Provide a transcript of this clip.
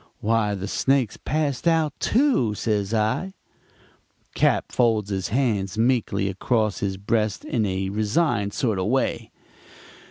"'Why, the snake's passed out, too,' says I. "Cap. folds his hands meekly across his breast in a resigned sort of way.